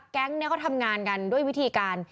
แก๊งก็ทำงานกันด้วยวิธีการ